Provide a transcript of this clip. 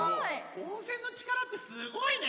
温泉のちからってすごいね！